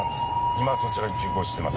今そちらに急行してます」